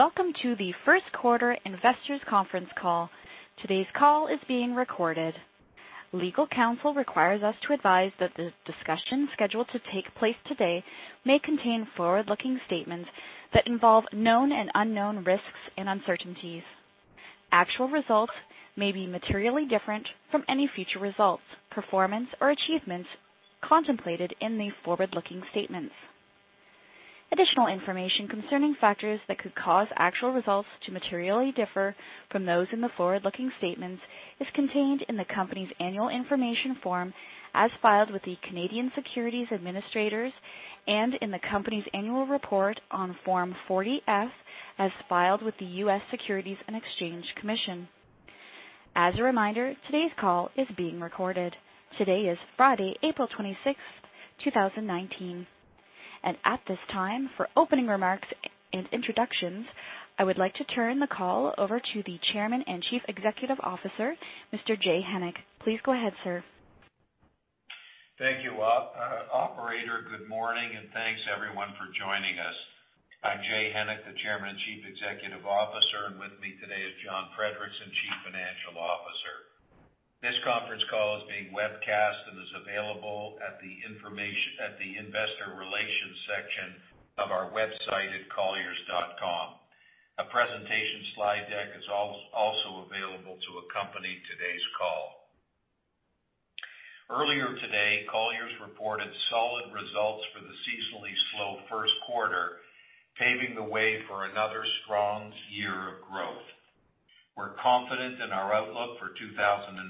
Welcome to the first quarter investors conference call. Today's call is being recorded. Legal counsel requires us to advise that the discussion scheduled to take place today may contain forward-looking statements that involve known and unknown risks and uncertainties. Actual results may be materially different from any future results, performance, or achievements contemplated in these forward-looking statements. Additional information concerning factors that could cause actual results to materially differ from those in the forward-looking statements is contained in the company's annual information form, as filed with the Canadian Securities Administrators and in the company's annual report on Form 40-F, as filed with the U.S. Securities and Exchange Commission. As a reminder, today's call is being recorded. Today is Friday, April 26, 2019. At this time, for opening remarks and introductions, I would like to turn the call over to the Chairman and Chief Executive Officer, Mr. Jay Hennick. Please go ahead, sir. Thank you, operator. Good morning. Thanks, everyone, for joining us. I'm Jay Hennick, the Chairman and Chief Executive Officer. With me today is John Friedrichsen, Chief Financial Officer. This conference call is being webcast and is available at the Investor Relations section of our website at colliers.com. A presentation slide deck is also available to accompany today's call. Earlier today, Colliers reported solid results for the seasonally slow first quarter, paving the way for another strong year of growth. We're confident in our outlook for 2019.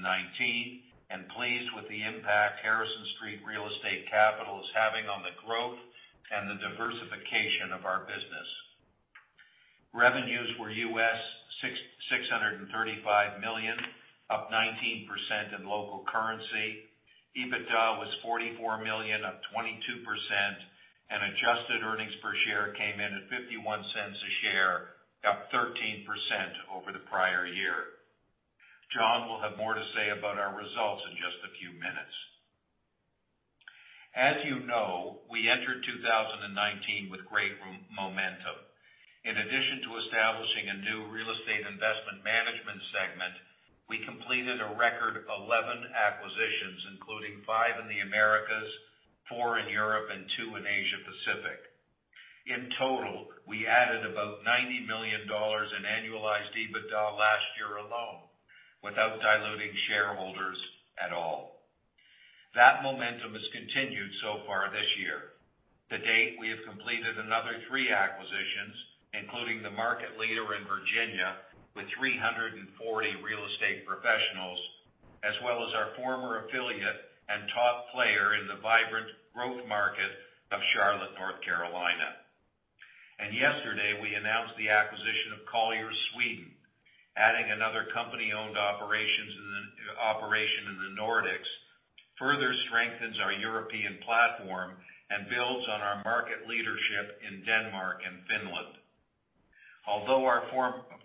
Pleased with the impact Harrison Street Real Estate Capital is having on the growth and the diversification of our business. Revenues were $635 million, up 19% in local currency. EBITDA was $44 million, up 22%. Adjusted earnings per share came in at $0.51 a share, up 13% over the prior year. John will have more to say about our results in just a few minutes. As you know, we entered 2019 with great momentum. In addition to establishing a new real estate investment management segment, we completed a record 11 acquisitions, including five in the Americas, four in Europe, and two in Asia Pacific. In total, we added about $90 million in annualized EBITDA last year alone without diluting shareholders at all. That momentum has continued so far this year. To date, we have completed another three acquisitions, including the market leader in Virginia with 340 real estate professionals, as well as our former affiliate and top player in the vibrant growth market of Charlotte, North Carolina. Yesterday, we announced the acquisition of Colliers Sweden. Adding another company-owned operation in the Nordics further strengthens our European platform and builds on our market leadership in Denmark and Finland. Although our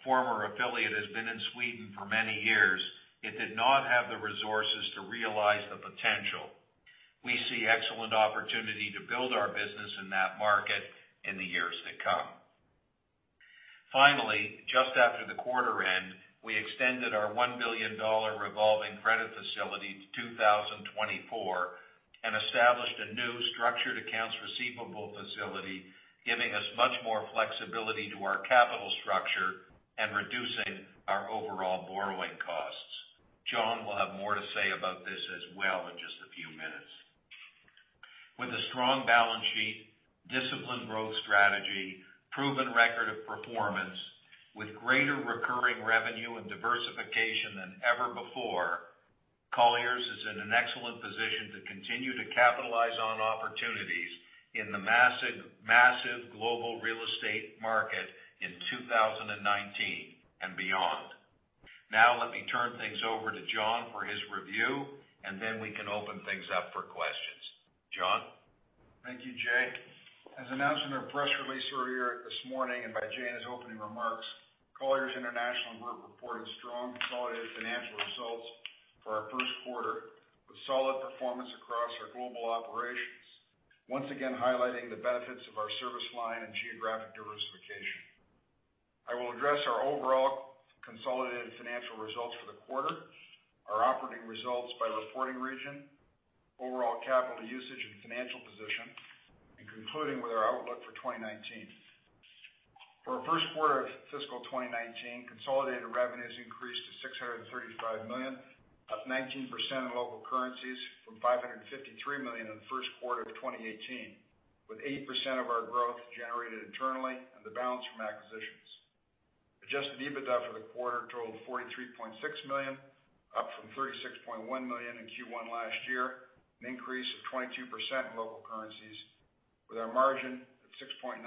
former affiliate has been in Sweden for many years, it did not have the resources to realize the potential. We see excellent opportunity to build our business in that market in the years to come. Finally, just after the quarter end, we extended our $1 billion revolving credit facility to 2024 and established a new structured accounts receivable facility, giving us much more flexibility to our capital structure and reducing our overall borrowing costs. John will have more to say about this as well in just a few minutes. With a strong balance sheet, disciplined growth strategy, proven record of performance, with greater recurring revenue and diversification than ever before, Colliers is in an excellent position to continue to capitalize on opportunities in the massive global real estate market in 2019 and beyond. Let me turn things over to John for his review, and then we can open things up for questions. John? Thank you, Jay. As announced in our press release this morning and by Jay in his opening remarks, Colliers International Group reported strong consolidated financial results for our first quarter, with solid performance across our global operations, once again highlighting the benefits of our service line and geographic diversification. I will address our overall consolidated financial results for the quarter, our operating results by reporting region, overall capital usage and financial position, and concluding with our outlook for 2019. For our first quarter of fiscal 2019, consolidated revenues increased to $635 million, up 19% in local currencies from $553 million in the first quarter of 2018, with 8% of our growth generated internally and the balance from acquisitions. Adjusted EBITDA for the quarter totaled $43.6 million, up from $36.1 million in Q1 last year, an increase of 22% in local currencies, with our margin at 6.9%,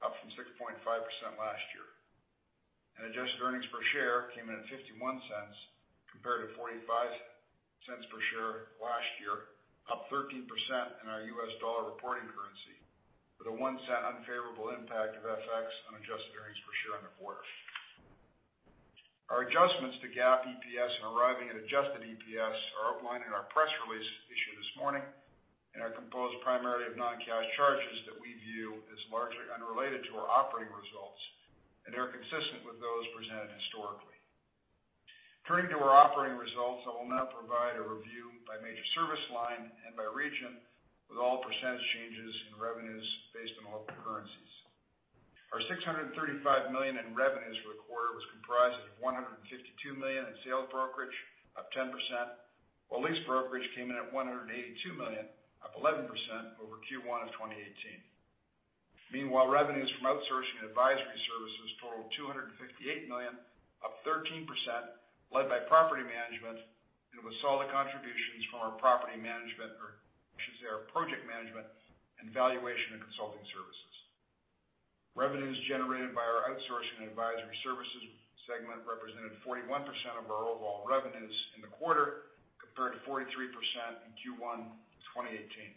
up from 6.5% last year. Adjusted earnings per share came in at $0.51, compared to $0.45 per share last year, up 13% in our US dollar reporting currency, with a $0.01 unfavorable impact of FX on adjusted earnings. Our adjustments to GAAP EPS in arriving at adjusted EPS are outlined in our press release issued this morning and are composed primarily of non-cash charges that we view as largely unrelated to our operating results, and are consistent with those presented historically. Turning to our operating results, I will now provide a review by major service line and by region, with all percentage changes in revenues based on local currencies. Our $635 million in revenues for the quarter was comprised of $152 million in sales brokerage, up 10%, while lease brokerage came in at $182 million, up 11% over Q1 of 2018. Revenues from outsourcing and advisory services totaled $258 million, up 13%, led by property management and with solid contributions from our project management and valuation and consulting services. Revenues generated by our outsourcing and advisory services segment represented 41% of our overall revenues in the quarter, compared to 43% in Q1 2018.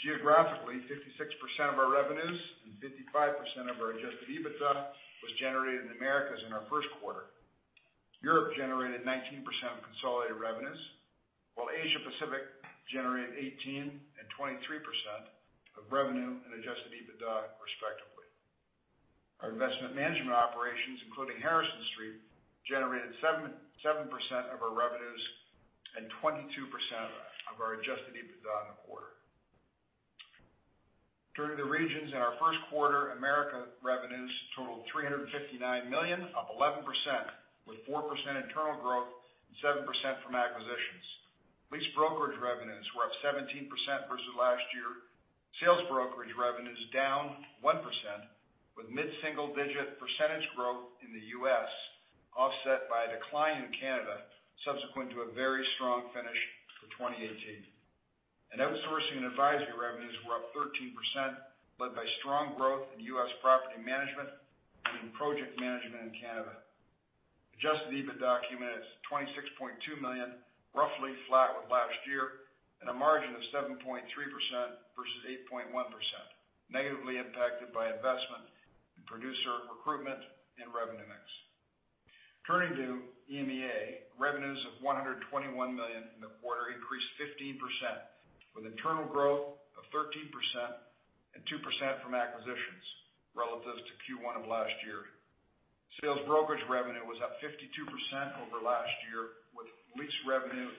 Geographically, 56% of our revenues and 55% of our adjusted EBITDA was generated in the Americas in our first quarter. Europe generated 19% of consolidated revenues, while Asia Pacific generated 18% and 23% of revenue and adjusted EBITDA, respectively. Our investment management operations, including Harrison Street, generated 7% of our revenues and 22% of our adjusted EBITDA in the quarter. Turning to the regions in our first quarter, America revenues totaled $359 million, up 11%, with 4% internal growth and 7% from acquisitions. Lease brokerage revenues were up 17% versus last year. Sales brokerage revenues down 1%, with mid-single digit percentage growth in the U.S. offset by a decline in Canada subsequent to a very strong finish for 2018. Outsourcing and advisory revenues were up 13%, led by strong growth in U.S. property management and in project management in Canada. Adjusted EBITDA came in at $26.2 million, roughly flat with last year, and a margin of 7.3% versus 8.1%, negatively impacted by investment in producer recruitment and revenue mix. Turning to EMEA, revenues of $121 million in the quarter increased 15%, with internal growth of 13% and 2% from acquisitions relative to Q1 of last year. Sales brokerage revenue was up 52% over last year, with lease revenue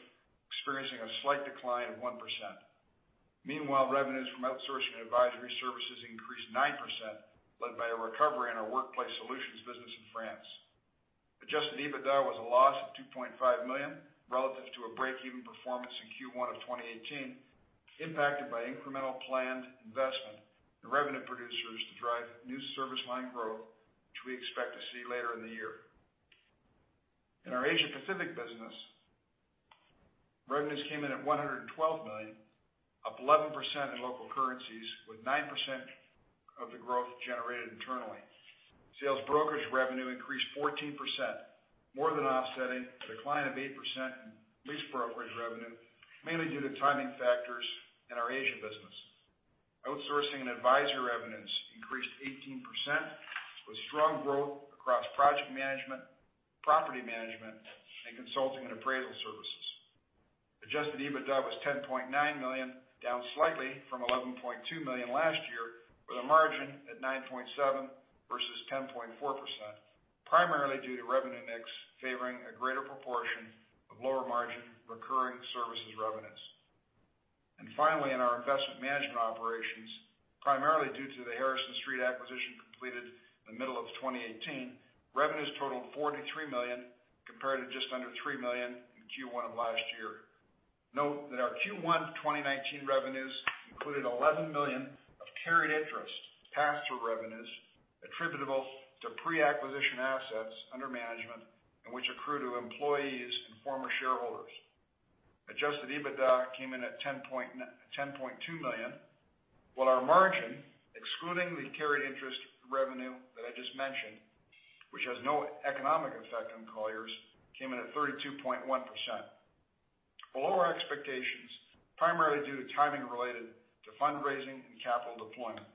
experiencing a slight decline of 1%. Revenues from outsourcing and advisory services increased 9%, led by a recovery in our workplace solutions business in France. Adjusted EBITDA was a loss of $2.5 million relative to a break-even performance in Q1 of 2018, impacted by incremental planned investment in revenue producers to drive new service line growth, which we expect to see later in the year. In our Asia Pacific business, revenues came in at $112 million, up 11% in local currencies, with 9% of the growth generated internally. Sales brokerage revenue increased 14%, more than offsetting a decline of 8% in lease brokerage revenue, mainly due to timing factors in our Asian business. Outsourcing and advisory revenues increased 18%, with strong growth across project management, property management, and consulting and appraisal services. Adjusted EBITDA was $10.9 million, down slightly from $11.2 million last year, with a margin at 9.7% versus 10.4%, primarily due to revenue mix favoring a greater proportion of lower-margin recurring services revenues. Finally, in our investment management operations, primarily due to the Harrison Street acquisition completed in the middle of 2018, revenues totaled $43 million, compared to just under $3 million in Q1 of last year. Note that our Q1 2019 revenues included $11 million of carried interest pass-through revenues attributable to pre-acquisition assets under management, and which accrue to employees and former shareholders. Adjusted EBITDA came in at $10.2 million, while our margin, excluding the carried interest revenue that I just mentioned, which has no economic effect on Colliers, came in at 32.1%. Below our expectations, primarily due to timing related to fundraising and capital deployment.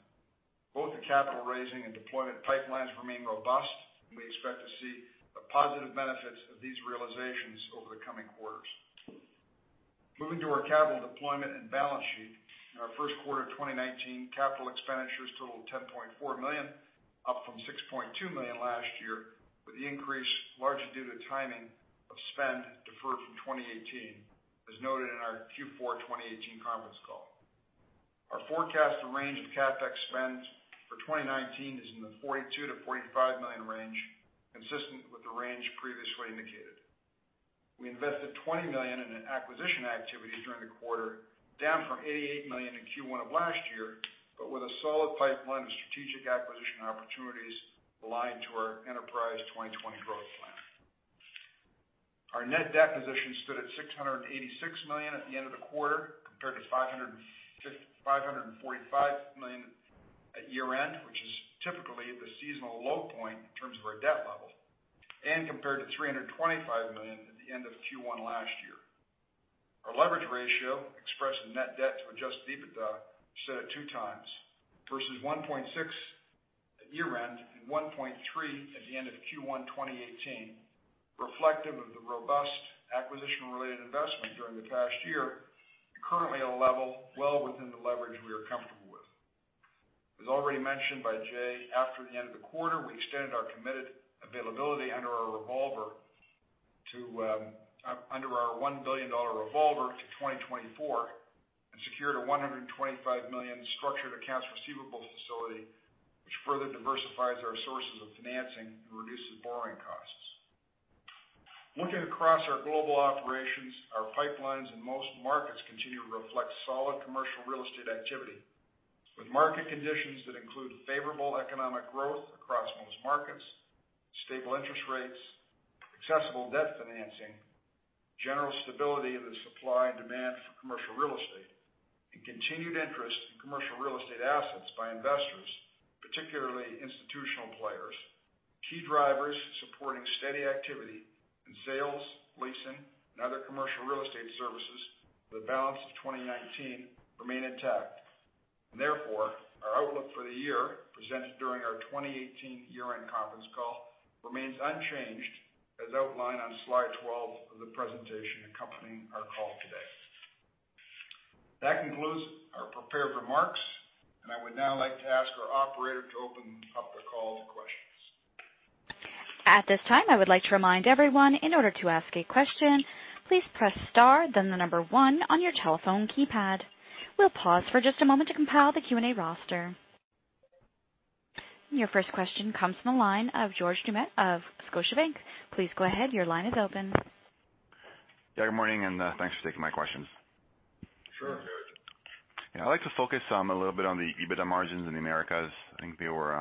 Both the capital raising and deployment pipelines remain robust, and we expect to see the positive benefits of these realizations over the coming quarters. Moving to our capital deployment and balance sheet. In our first quarter of 2019, capital expenditures totaled $10.4 million, up from $6.2 million last year, with the increase largely due to timing of spend deferred from 2018, as noted in our Q4 2018 conference call. Our forecast and range of CapEx spend for 2019 is in the $42 million-$45 million range, consistent with the range previously indicated. We invested $20 million in acquisition activities during the quarter, down from $88 million in Q1 of last year, but with a solid pipeline of strategic acquisition opportunities aligned to our Enterprise 2020 Plan. Our net debt position stood at $686 million at the end of the quarter, compared to $545 million at year-end, which is typically the seasonal low point in terms of our debt level, and compared to $325 million at the end of Q1 last year. Our leverage ratio expressed in net debt to adjusted EBITDA stood at 2x versus 1.6 at year-end and 1.3 at the end of Q1 2018, reflective of the robust acquisition-related investment during the past year and currently at a level well within the leverage we are comfortable with. As already mentioned by Jay, after the end of the quarter, we extended our committed availability under our $1 billion revolver to 2024 and secured a $125 million structured accounts receivable facility, which further diversifies our sources of financing and reduces borrowing costs. Looking across our global operations, our pipelines in most markets continue to reflect solid commercial real estate activity. With market conditions that include favorable economic growth across most markets, stable interest rates, accessible debt financing, general stability of the supply and demand for commercial real estate, and continued interest in commercial real estate assets by investors, particularly institutional players, key drivers supporting steady activity in sales, leasing, and other commercial real estate services for the balance of 2019 remain intact. Therefore, our outlook for the year presented during our 2018 year-end conference call remains unchanged as outlined on slide 12 of the presentation accompanying our call today. That concludes our prepared remarks, and I would now like to ask our operator to open up the call to questions. At this time, I would like to remind everyone, in order to ask a question, please press star then the number one on your telephone keypad. We'll pause for just a moment to compile the Q&A roster. Your first question comes from the line of George Doumet of Scotiabank. Please go ahead. Your line is open. Yeah, good morning, thanks for taking my questions. Sure, George. Yeah, I'd like to focus a little bit on the EBITDA margins in the Americas. I think they were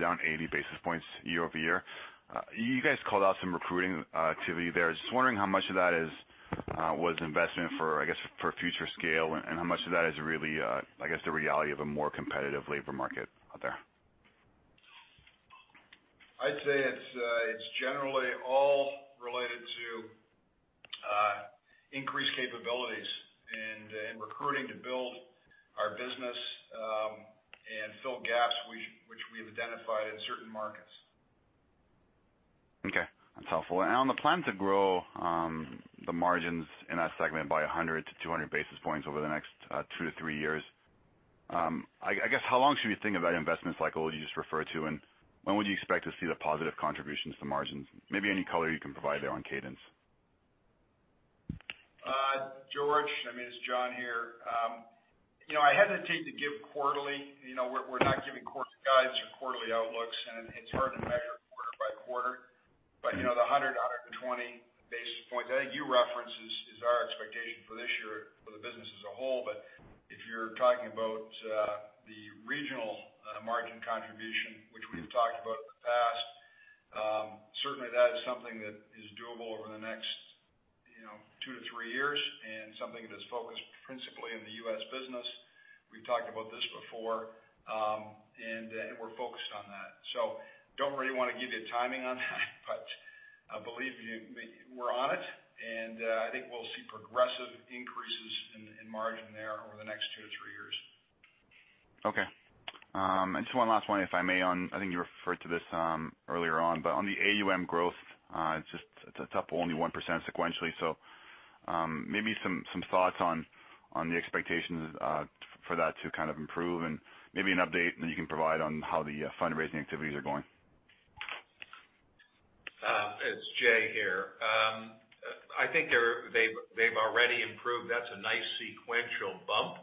down 80 basis points year-over-year. You guys called out some recruiting activity there. Just wondering how much of that was investment for, I guess, future scale and how much of that is really, I guess, the reality of a more competitive labor market out there? I'd say it's generally all related to increased capabilities and recruiting to build our business, and fill gaps which we've identified in certain markets. Okay, that's helpful. On the plan to grow the margins in that segment by 100 to 200 basis points over the next two to three years. I guess, how long should we think about investment cycle which you just referred to, and when would you expect to see the positive contributions to margins? Maybe any color you can provide there on cadence. George, it's John here. I hesitate to give quarterly. We're not giving quarter guides or quarterly outlooks, it's hard to measure quarter by quarter. The 100, 120 basis points that I think you referenced is our expectation for this year for the business as a whole. If you're talking about the regional margin contribution, which we've talked about in the past, certainly that is something that is doable over the next two to three years and something that is focused principally in the U.S. business. We've talked about this before, we're focused on that. Don't really want to give you a timing on that, but I believe we're on it, I think we'll see progressive increases in margin there over the next two to three years. Okay. Just one last one, if I may. I think you referred to this earlier on the AUM growth, it's up only 1% sequentially. Maybe some thoughts on the expectations for that to kind of improve and maybe an update that you can provide on how the fundraising activities are going. It's Jay here. I think they've already improved. That's a nice sequential bump.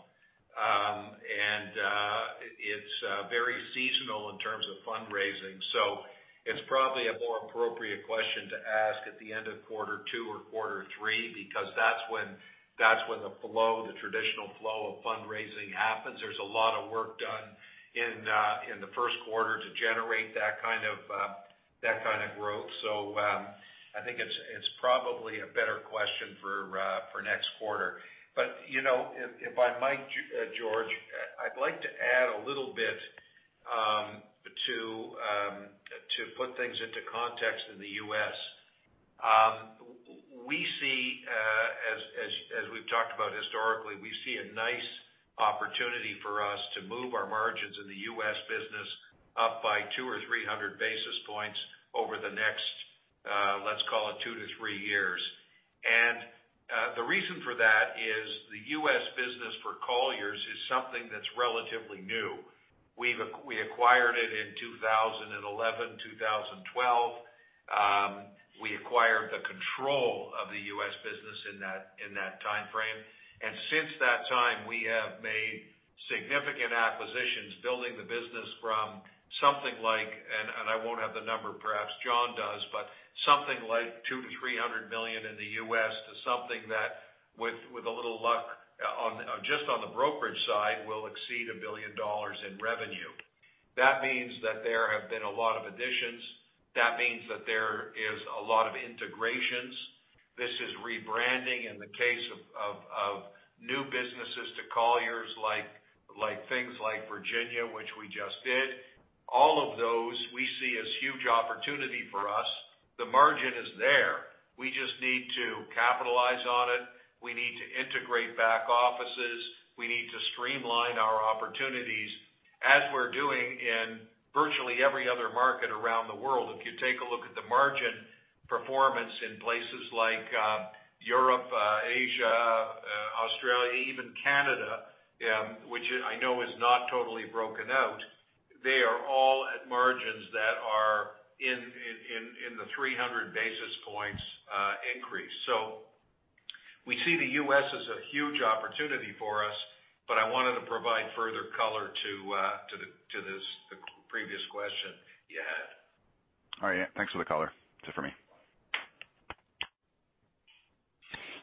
It's very seasonal in terms of fundraising. It's probably a more appropriate question to ask at the end of quarter two or quarter three, because that's when the traditional flow of fundraising happens. There's a lot of work done in the first quarter to generate that kind of growth. I think it's probably a better question for next quarter. If I might, George, I'd like to add a little bit to put things into context in the U.S. As we've talked about historically, we see a nice opportunity for us to move our margins in the U.S. business up by 200 or 300 basis points over the next, let's call it two to three years. The reason for that is the U.S. business for Colliers is something that's relatively new. We acquired it in 2011, 2012. We acquired the control of the U.S. business in that timeframe. Since that time, we have made significant acquisitions, building the business from something like, and I won't have the number, perhaps John does, but something like $200 million to $300 million in the U.S. to something that with a little luck, just on the brokerage side, will exceed $1 billion in revenue. That means that there have been a lot of additions. That means that there is a lot of integrations. This is rebranding in the case of New businesses to Colliers like things like Virginia, which we just did. All of those we see as huge opportunity for us. The margin is there. We just need to capitalize on it. We need to integrate back offices. We need to streamline our opportunities as we're doing in virtually every other market around the world. If you take a look at the margin performance in places like Europe, Asia, Australia, even Canada, which I know is not totally broken out, they are all at margins that are in the 300 basis points increase. We see the U.S. as a huge opportunity for us, but I wanted to provide further color to this previous question you had. All right. Thanks for the color. That's it for me.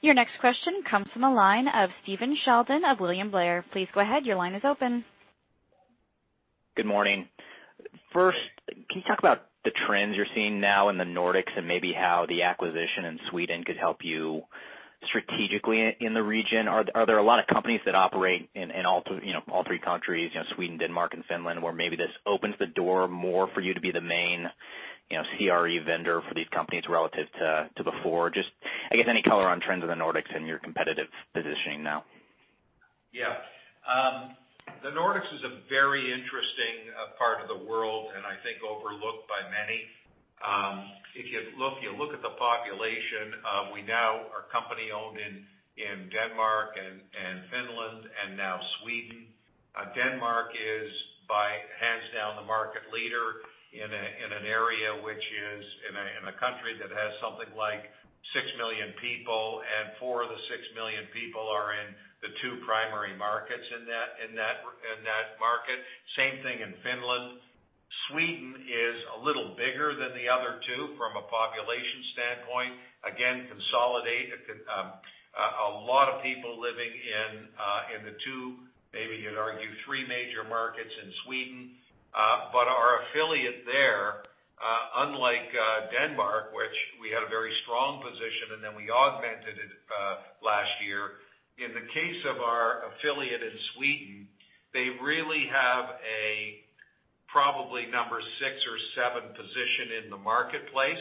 Your next question comes from the line of Stephen Sheldon of William Blair. Please go ahead. Your line is open. Good morning. First, can you talk about the trends you're seeing now in the Nordics and maybe how the acquisition in Sweden could help you strategically in the region? Are there a lot of companies that operate in all three countries, Sweden, Denmark and Finland, where maybe this opens the door more for you to be the main CRE vendor for these companies relative to before? Just, I guess, any color on trends in the Nordics and your competitive positioning now. Yeah. The Nordics is a very interesting part of the world, and I think overlooked by many. If you look at the population, we now are company-owned in Denmark and Finland and now Sweden. Denmark is by, hands down, the market leader in an area which is in a country that has something like 6 million people, and four of the 6 million people are in the two primary markets in that market. Same thing in Finland. Sweden is a little bigger than the other two from a population standpoint. Again, consolidate. A lot of people living in the two, maybe you'd argue three major markets in Sweden. Our affiliate there, unlike Denmark, which we had a very strong position and then we augmented it last year, in the case of our affiliate in Sweden, they really have a probably number 6 or 7 position in the marketplace.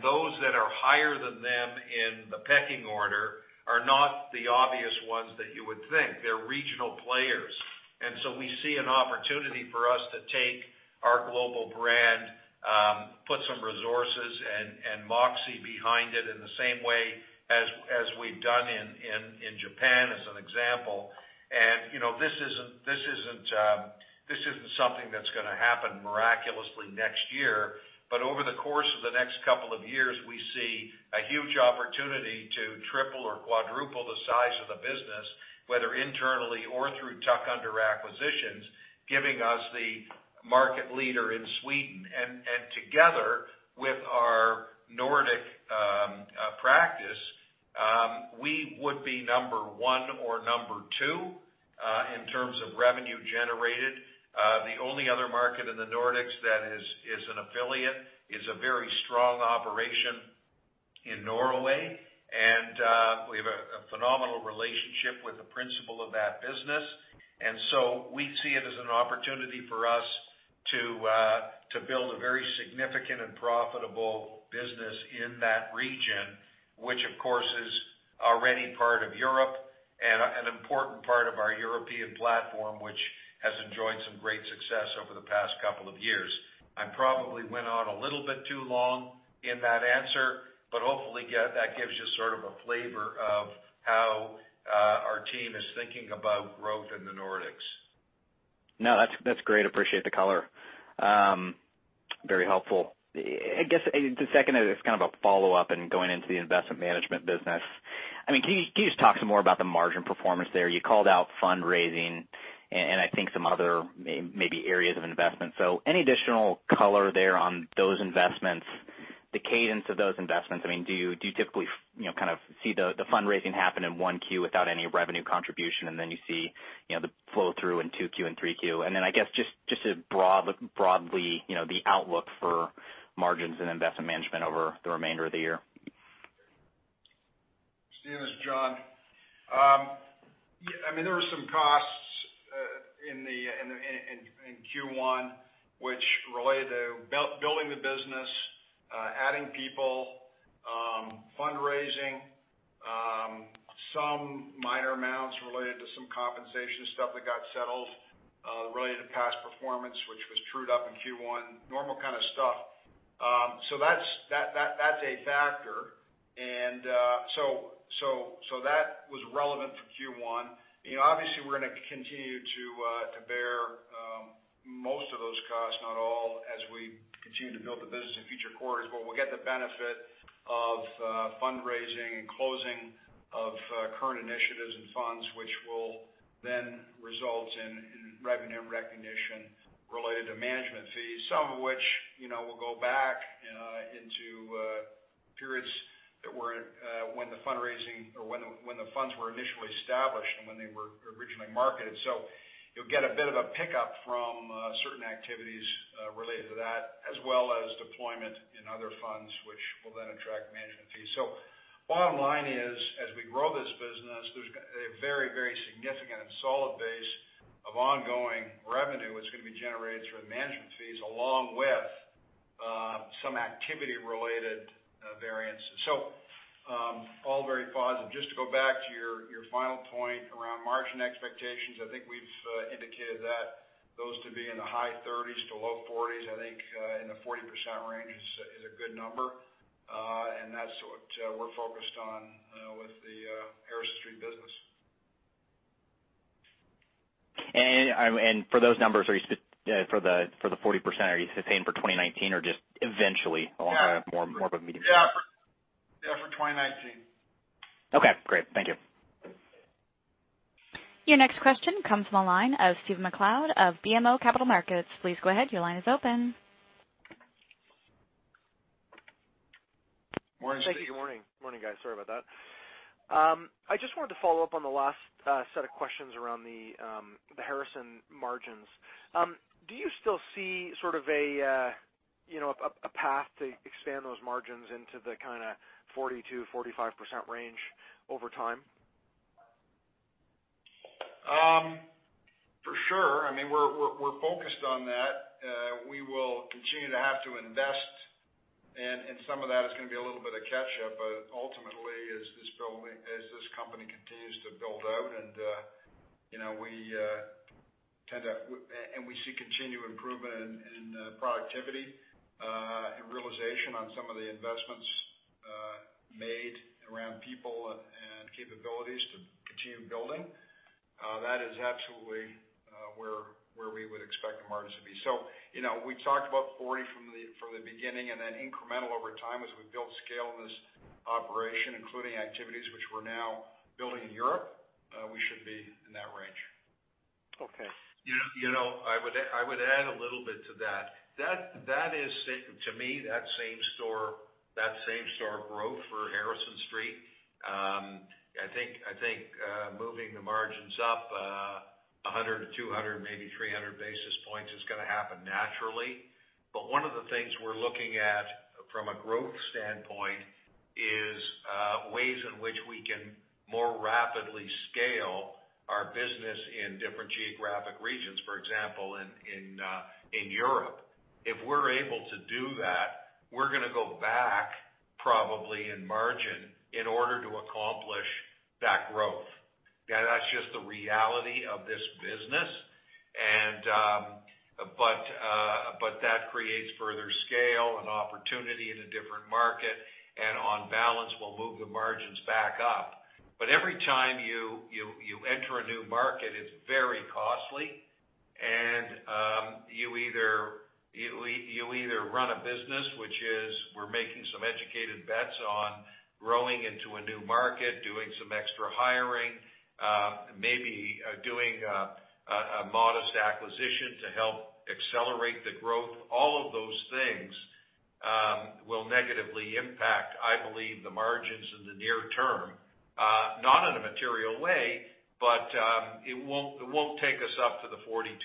Those that are higher than them in the pecking order are not the obvious ones that you would think. They're regional players. We see an opportunity for us to take our global brand, put some resources and moxie behind it in the same way as we've done in Japan as an example. This isn't something that's going to happen miraculously next year. Over the course of the next couple of years, we see a huge opportunity to triple or quadruple the size of the business, whether internally or through tuck-under acquisitions, giving us the market leader in Sweden. Together with our Nordic practice, we would be number 1 or number 2, in terms of revenue generated. The only other market in the Nordics that is an affiliate is a very strong operation in Norway, and we have a phenomenal relationship with the principal of that business. We see it as an opportunity for us to build a very significant and profitable business in that region, which of course, is already part of Europe and an important part of our European platform, which has enjoyed some great success over the past couple of years. I probably went on a little bit too long in that answer, hopefully that gives you sort of a flavor of how our team is thinking about growth in the Nordics. No, that's great. Appreciate the color. Very helpful. I guess the second is kind of a follow-up and going into the investment management business. Can you just talk some more about the margin performance there? You called out fundraising and I think some other maybe areas of investment. Any additional color there on those investments, the cadence of those investments? Do you typically kind of see the fundraising happen in one Q without any revenue contribution, and then you see the flow through in two Q and three Q? I guess just broadly, the outlook for margins and investment management over the remainder of the year. Stephen, this is John. There were some costs in Q1 which related to building the business, adding people, fundraising, some minor amounts related to some compensation stuff that got settled related to past performance, which was trued up in Q1, normal kind of stuff. That's a factor. That was relevant for Q1. Obviously, we're going to continue to bear most of those costs, not all, as we continue to build the business in future quarters. We'll get the benefit of fundraising and closing of current initiatives and funds, which will then result in revenue recognition related to management fees, some of which will go back into periods when the fundraising or when the funds were initially established market. You'll get a bit of a pickup from certain activities related to that, as well as deployment in other funds, which will then attract management fees. Bottom line is, as we grow this business, there's a very significant and solid base of ongoing revenue that's going to be generated through the management fees, along with some activity-related variances. All very positive. Just to go back to your final point around margin expectations, I think we've indicated that those to be in the high 30s to low 40s, I think in the 40% range is a good number. That's what we're focused on with the Harrison Street business. For those numbers, for the 40%, are you saying for 2019 or just eventually along a more of a medium-term? Yeah, for 2019. Okay, great. Thank you. Your next question comes from the line of Stephen MacLeod of BMO Capital Markets. Please go ahead, your line is open. Morning. Thank you. Good morning. Morning, guys. Sorry about that. I just wanted to follow up on the last set of questions around the Harrison margins. Do you still see sort of a path to expand those margins into the kind of 42%-45% range over time? For sure. We're focused on that. We will continue to have to invest, and some of that is going to be a little bit of catch-up, but ultimately, as this company continues to build out and we see continued improvement in productivity, and realization on some of the investments made around people and capabilities to continue building. That is absolutely where we would expect the margins to be. We talked about 40% from the beginning, and then incremental over time as we build scale in this operation, including activities which we're now building in Europe, we should be in that range. Okay. I would add a little bit to that. To me, that same store growth for Harrison Street, I think moving the margins up 100 to 200, maybe 300 basis points is going to happen naturally. One of the things we're looking at from a growth standpoint is ways in which we can more rapidly scale our business in different geographic regions. For example, in Europe. If we're able to do that, we're going to go back probably in margin in order to accomplish that growth. That's just the reality of this business. That creates further scale and opportunity in a different market, and on balance, we'll move the margins back up. Every time you enter a new market, it's very costly, and you either run a business, which is we're making some educated bets on growing into a new market, doing some extra hiring, maybe doing a modest acquisition to help accelerate the growth. All of those things will negatively impact, I believe, the margins in the near term. Not in a material way, but it won't take us up to the 42%-43%.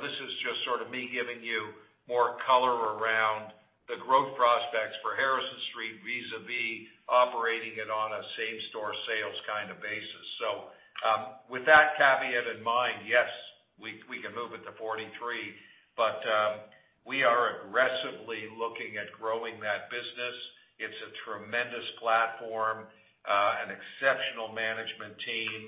This is just sort of me giving you more color around the growth prospects for Harrison Street vis-a-vis operating it on a same-store sales kind of basis. With that caveat in mind, yes, we can move it to 43%, but we are aggressively looking at growing that business. It's a tremendous platform, an exceptional management team,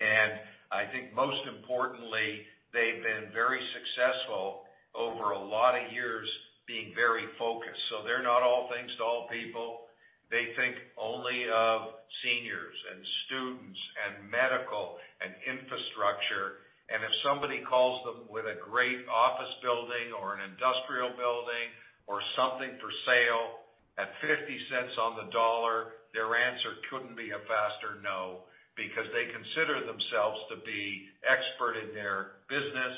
and I think most importantly, they've been very successful over a lot of years being very focused. They're not all things to all people. They think only of seniors, and students, and medical, and infrastructure, and if somebody calls them with a great office building or an industrial building or something for sale at $0.50 on the dollar, their answer couldn't be a faster no. They consider themselves to be expert in their business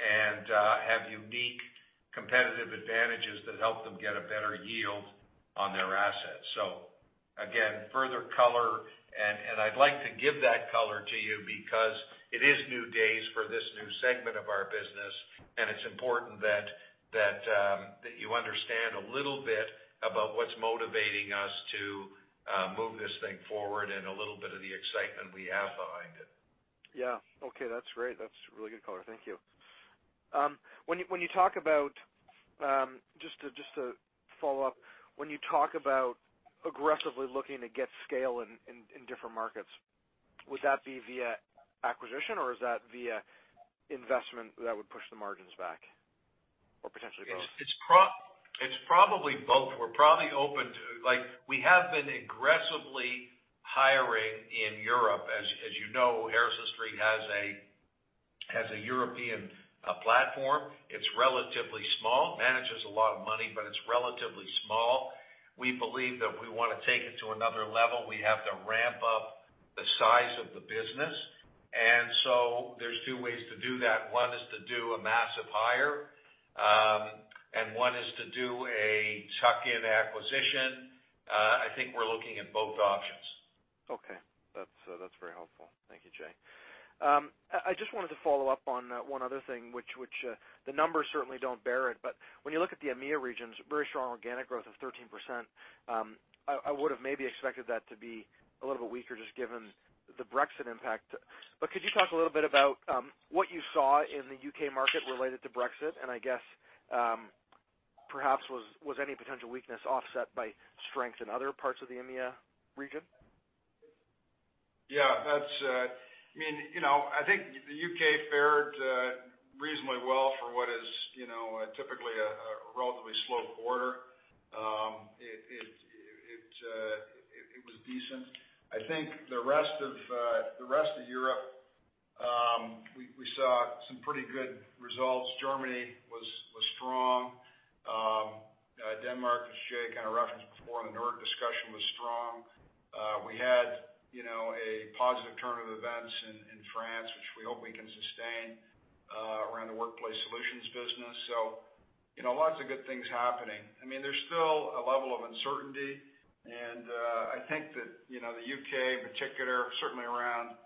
and have unique competitive advantages that help them get a better yield on their assets. Again, further color, and I'd like to give that color to you because it is new days for this new segment of our business, and it's important that you understand a little bit about what's motivating us to move this thing forward and a little bit of the excitement we have behind it. Yeah. Okay. That's great. That's really good color. Thank you. Just to follow up, when you talk about aggressively looking to get scale in different markets, would that be via acquisition, or is that via investment that would push the margins back or potentially both? It's probably both. We have been aggressively hiring in Europe. As you know, Harrison Street has a European platform. It's relatively small. Manages a lot of money, but it's relatively small. We believe that if we want to take it to another level, we have to ramp up the size of the business, there's two ways to do that. One is to do a massive hire- One is to do a tuck-in acquisition. I think we're looking at both options. Okay. That's very helpful. Thank you, Jay. I just wanted to follow up on one other thing, which the numbers certainly don't bear it, when you look at the EMEA regions, very strong organic growth of 13%. I would've maybe expected that to be a little bit weaker just given the Brexit impact. Could you talk a little bit about what you saw in the U.K. market related to Brexit? I guess, perhaps was any potential weakness offset by strength in other parts of the EMEA region? Yeah. I think the U.K. fared reasonably well for what is typically a relatively slow quarter. It was decent. I think the rest of Europe, we saw some pretty good results. Germany was strong. Denmark, as Jay kind of referenced before in the Nordics discussion, was strong. We had a positive turn of events in France, which we hope we can sustain, around the workplace solutions business. Lots of good things happening. There's still a level of uncertainty, and I think that the U.K. in particular, certainly around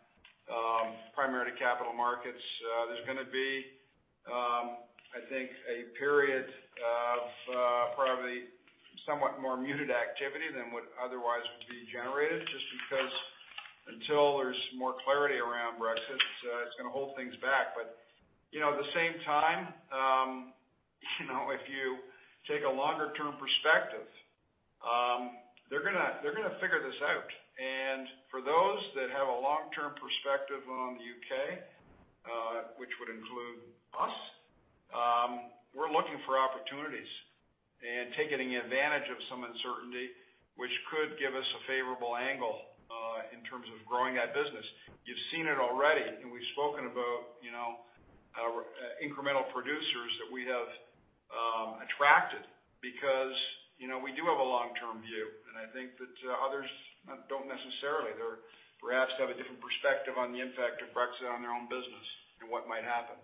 primarily capital markets, there's going to be, I think, a period of probably somewhat more muted activity than would otherwise be generated, just because until there's more clarity around Brexit, it's going to hold things back. At the same time, if you take a longer term perspective, they're going to figure this out. For those that have a long-term perspective on the U.K., which would include us, we're looking for opportunities and taking advantage of some uncertainty which could give us a favorable angle, in terms of growing that business. You've seen it already, and we've spoken about our incremental producers that we have attracted because we do have a long-term view, and I think that others don't necessarily. They perhaps have a different perspective on the impact of Brexit on their own business and what might happen.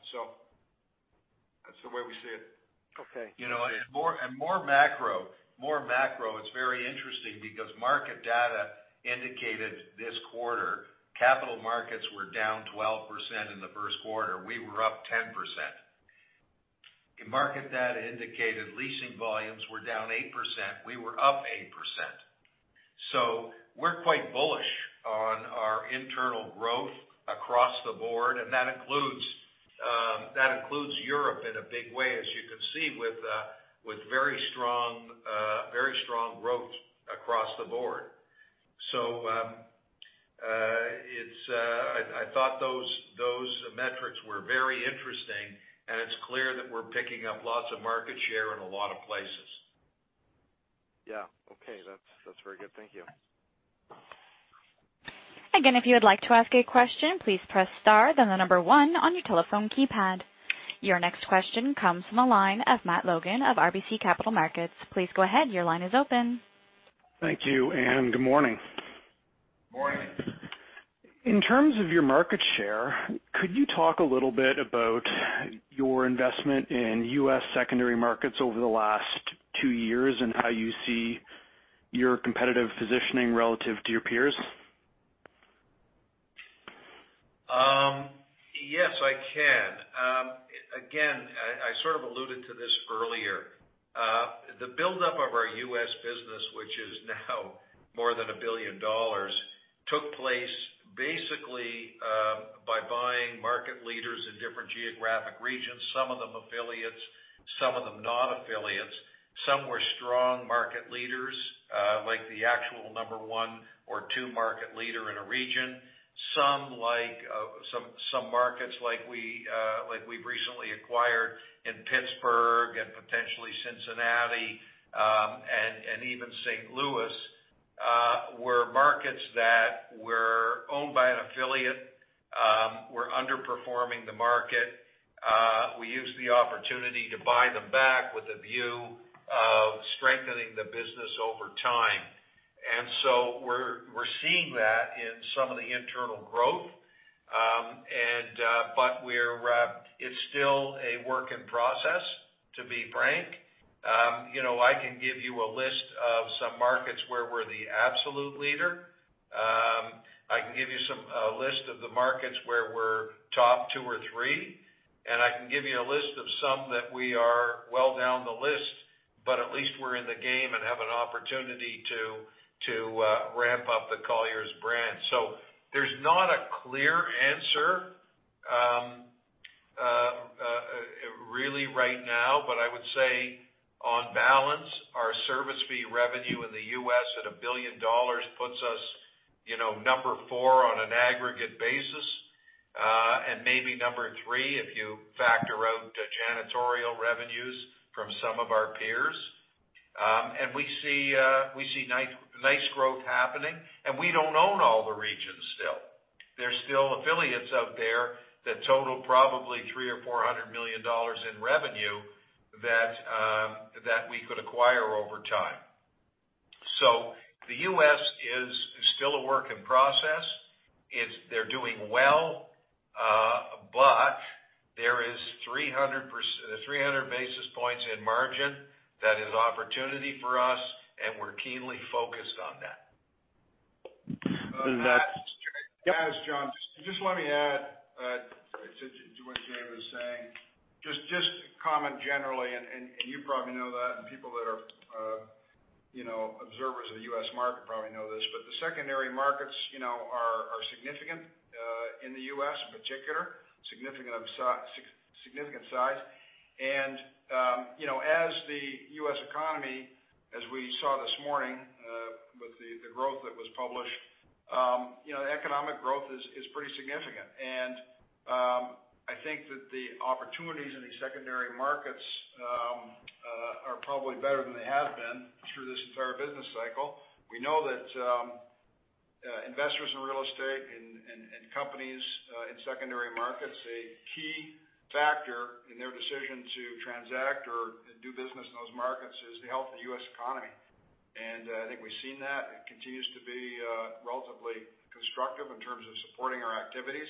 That's the way we see it. Okay. More macro, it's very interesting because market data indicated this quarter, capital markets were down 12% in the first quarter. We were up 10%. Market data indicated leasing volumes were down 8%, we were up 8%. We're quite bullish on our internal growth across the board, and that includes Europe in a big way, as you can see, with very strong growth across the board. I thought those metrics were very interesting, and it's clear that we're picking up lots of market share in a lot of places. Yeah. Okay. That's very good. Thank you. Again, if you would like to ask a question, please press star, then the number one on your telephone keypad. Your next question comes from the line of Matt Logan of RBC Capital Markets. Please go ahead, your line is open. Thank you, and good morning. Morning. In terms of your market share, could you talk a little bit about your investment in U.S. secondary markets over the last two years and how you see your competitive positioning relative to your peers? Yes, I can. Again, I sort of alluded to this earlier. The buildup of our U.S. business, which is now more than $1 billion, took place basically by buying market leaders in different geographic regions, some of them affiliates, some of them non-affiliates. Some were strong market leaders, like the actual number 1 or 2 market leader in a region. Some markets like we've recently acquired in Pittsburgh and potentially Cincinnati, and even St. Louis, were markets that were owned by an affiliate, were underperforming the market. We used the opportunity to buy them back with a view of strengthening the business over time. We're seeing that in some of the internal growth. It's still a work in process, to be frank. I can give you a list of some markets where we're the absolute leader. I can give you a list of the markets where we're top 2 or 3. I can give you a list of some that we are well down the list, but at least we're in the game and have an opportunity to ramp up the Colliers brand. There's not a clear answer, really right now, but I would say on balance, our service fee revenue in the U.S. at $1 billion puts us number 4 on an aggregate basis. Maybe number 3, if you factor out janitorial revenues from some of our peers. We see nice growth happening, and we don't own all the regions still. There's still affiliates out there that total probably $300 million or $400 million in revenue that we could acquire over time. The U.S. is still a work in process. They're doing well, but there is 300 basis points in margin that is opportunity for us. We're keenly focused on that. Is that? Yep. Yes, John, just let me add to what Jay was saying. Just comment generally. You probably know that, and people that are observers of the U.S. market probably know this. The secondary markets are significant in the U.S. in particular, significant size. As the U.S. economy, as we saw this morning, with the growth that was published, the economic growth is pretty significant. I think that the opportunities in these secondary markets are probably better than they have been through this entire business cycle. We know that investors in real estate and companies in secondary markets, a key factor in their decision to transact or do business in those markets is the health of the U.S. economy. I think we've seen that. It continues to be relatively constructive in terms of supporting our activities,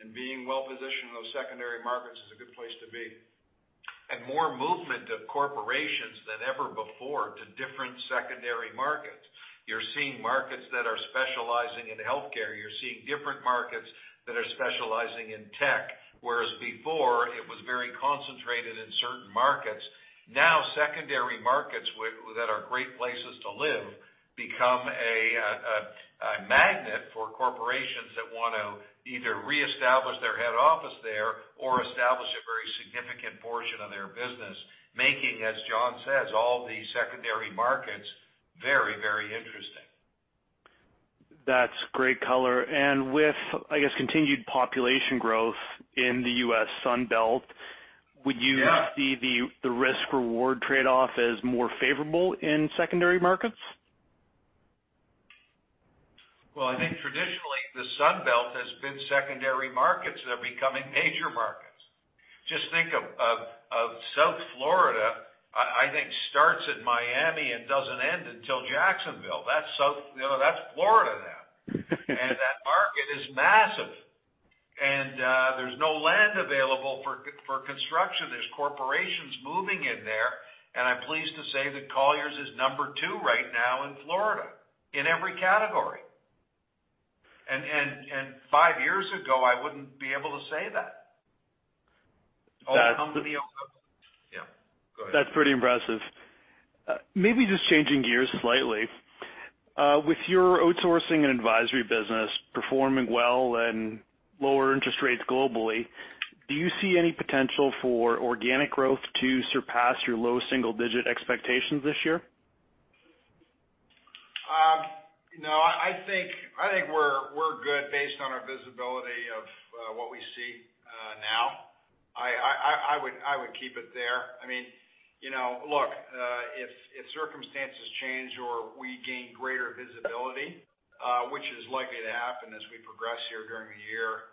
and being well-positioned in those secondary markets is a good place to be. More movement of corporations than ever before to different secondary markets. You're seeing markets that are specializing in healthcare. You're seeing different markets that are specializing in tech. Whereas before it was very concentrated in certain markets. Now, secondary markets that are great places to live become a magnet for corporations that want to either reestablish their head office there or establish a very significant portion of their business. Making, as John says, all the secondary markets very, very interesting. That's great color. With, I guess, continued population growth in the U.S. Sun Belt. Yeah Would you see the risk/reward trade-off as more favorable in secondary markets? Well, I think traditionally the Sun Belt has been secondary markets that are becoming major markets. Just think of South Florida, I think starts in Miami and doesn't end until Jacksonville. That's Florida now. That market is massive. There's no land available for construction. There's corporations moving in there, I'm pleased to say that Colliers is number 2 right now in Florida, in every category. Five years ago, I wouldn't be able to say that. That's- Yeah. Go ahead. That's pretty impressive. Maybe just changing gears slightly. With your outsourcing and advisory business performing well and lower interest rates globally, do you see any potential for organic growth to surpass your low single-digit expectations this year? No, I think we're good based on our visibility of what we see now. I would keep it there. Look, if circumstances change or we gain greater visibility, which is likely to happen as we progress here during the year,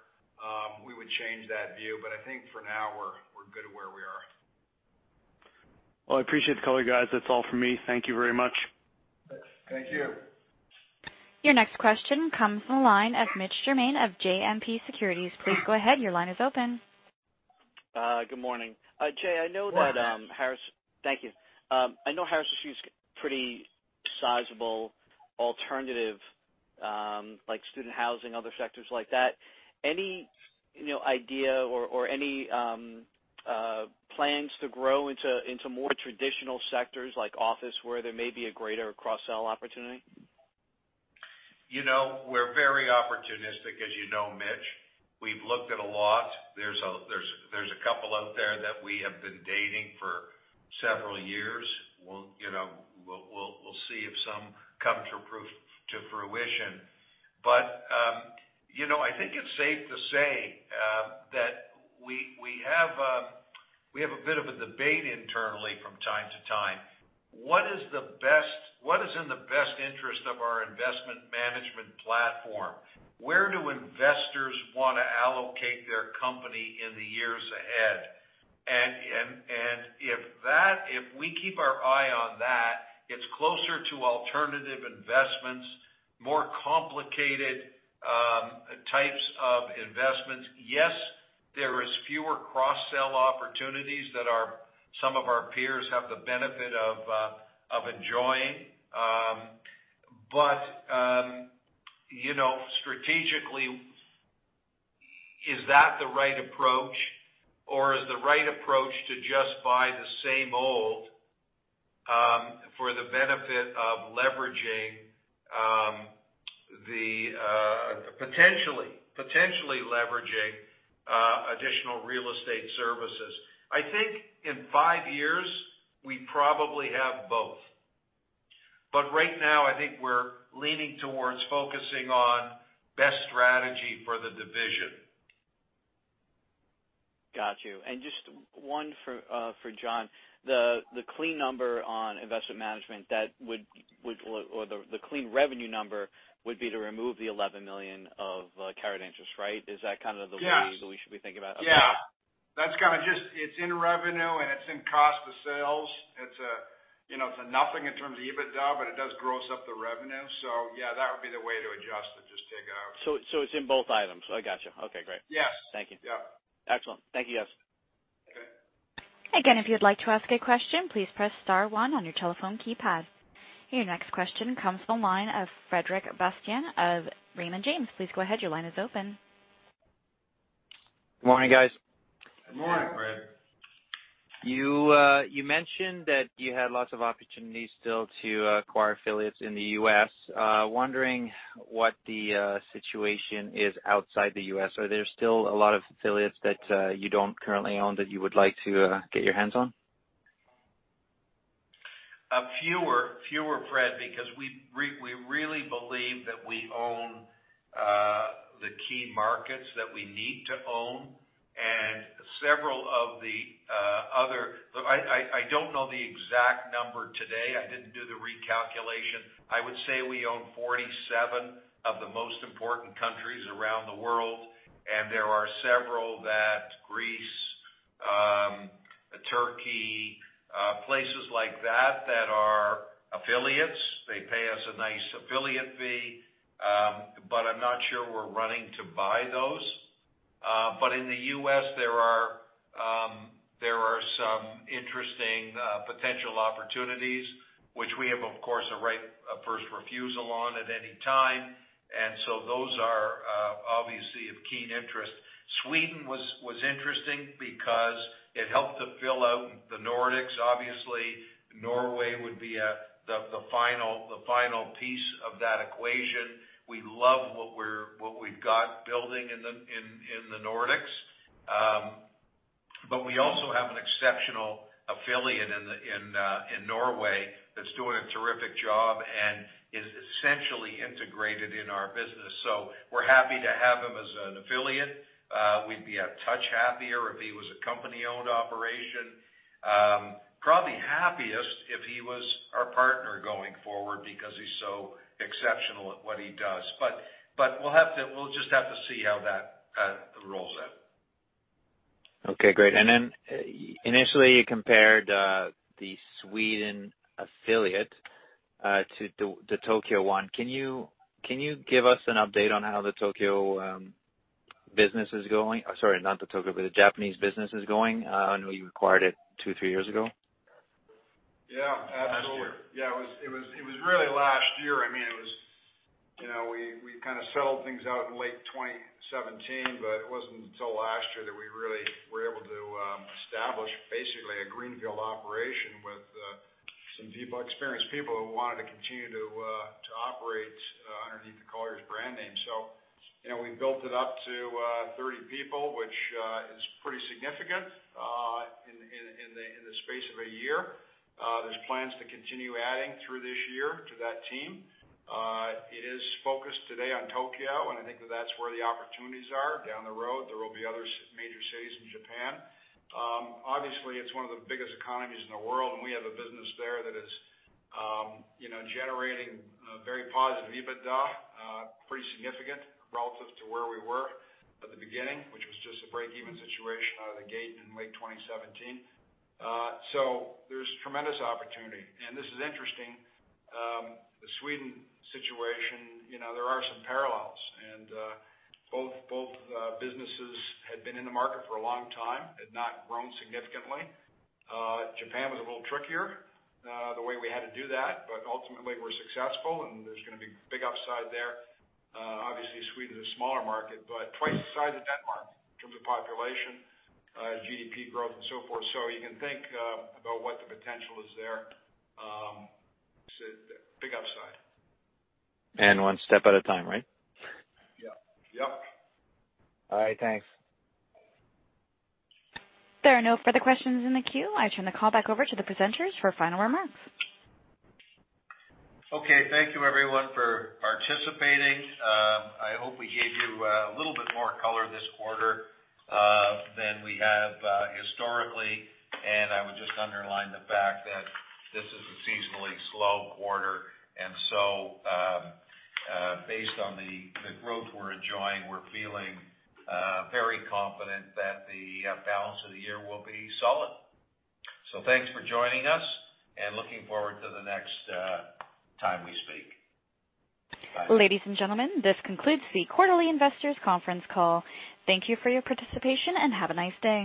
we would change that view. I think for now, we're good where we are. Well, I appreciate the color, guys. That's all for me. Thank you very much. Thank you. Your next question comes from the line of Mitch Germain of JMP Securities. Please go ahead, your line is open. Good morning. Jay, Good morning. Thank you. I know Harrison Street is pretty sizable alternative like student housing, other sectors like that. Any idea or any plans to grow into more traditional sectors like office where there may be a greater cross-sell opportunity? We're very opportunistic as you know, Mitch. We've looked at a lot. There's a couple out there that we have been dating for several years. We'll see if some come to fruition. I think it's safe to say that we have a bit of a debate internally from time to time. What is in the best interest of our investment management platform? Where do investors want to allocate their company in the years ahead? If we keep our eye on that, it's closer to alternative investments, more complicated types of investments. Yes, there is fewer cross-sell opportunities that some of our peers have the benefit of enjoying. Strategically, is that the right approach? Is the right approach to just buy the same old, for the benefit of potentially leveraging additional real estate services? I think in five years, we probably have both. Right now, I think we're leaning towards focusing on best strategy for the division. Got you. Just one for John. The clean number on investment management, or the clean revenue number would be to remove the $11 million of carried interest, right? Is that kind of the way- Yeah we should be thinking about? Yeah. That's kind of just, it's in revenue and it's in cost of sales. It's a nothing in terms of EBITDA, it does gross up the revenue. Yeah, that would be the way to adjust it, just take it out. It's in both items. I got you. Okay, great. Yes. Thank you. Yeah. Excellent. Thank you, guys. Okay. Again, if you'd like to ask a question, please press star one on your telephone keypad. Your next question comes from the line of Frederic Bastien of Raymond James. Please go ahead. Your line is open. Good morning, guys. Good morning, Fred. You mentioned that you had lots of opportunities still to acquire affiliates in the U.S. Wondering what the situation is outside the U.S. Are there still a lot of affiliates that you don't currently own that you would like to get your hands on? Fewer, Fred, because we really believe that we own the key markets that we need to own, and several of the other I don't know the exact number today. I didn't do the recalculation. I would say we own 47 of the most important countries around the world, and there are several that, Greece, Turkey, places like that are affiliates. They pay us a nice affiliate fee. I'm not sure we're running to buy those. In the U.S., there are some interesting potential opportunities, which we have, of course, a right of first refusal on at any time. Those are obviously of keen interest. Sweden was interesting because it helped to fill out the Nordics. Obviously, Norway would be the final piece of that equation. We love what we've got building in the Nordics. We also have an exceptional affiliate in Norway that's doing a terrific job and is essentially integrated in our business. We're happy to have him as an affiliate. We'd be a touch happier if he was a company-owned operation. Probably happiest if he was our partner going forward because he's so exceptional at what he does. We'll just have to see how that rolls out. Okay, great. Then initially, you compared the Sweden affiliate to the Tokyo one. Can you give us an update on how the Tokyo business is going? Sorry, not the Tokyo, but the Japanese business is going? I know you acquired it two, three years ago. Yeah, absolutely. Last year. Yeah, it was really last year. We kind of settled things out in late 2017, it wasn't until last year that we really were able to establish basically a greenfield operation with some deep, experienced people who wanted to continue to operate underneath the Colliers brand name. We built it up to 30 people, which is pretty significant in the space of a year. There's plans to continue adding through this year to that team. It is focused today on Tokyo, and I think that that's where the opportunities are. Down the road, there will be other major cities in Japan. Obviously, it's one of the biggest economies in the world, and we have a business there that is generating very positive EBITDA, pretty significant relative to where we were at the beginning, which was just a break-even situation out of the gate in late 2017. There's tremendous opportunity. This is interesting. The Sweden situation, there are some parallels. Both businesses had been in the market for a long time, had not grown significantly. Japan was a little trickier the way we had to do that, ultimately, we're successful, and there's gonna be big upside there. Obviously, Sweden is a smaller market, but twice the size of Denmark in terms of population, GDP growth, and so forth. You can think about what the potential is there. It's a big upside. One step at a time, right? Yeah. All right. Thanks. There are no further questions in the queue. I turn the call back over to the presenters for final remarks. Okay. Thank you everyone for participating. I hope we gave you a little bit more color this quarter than we have historically, and I would just underline the fact that this is a seasonally slow quarter. Based on the growth we're enjoying, we're feeling very confident that the balance of the year will be solid. Thanks for joining us and looking forward to the next time we speak. Bye. Ladies and gentlemen, this concludes the quarterly investors conference call. Thank you for your participation, and have a nice day.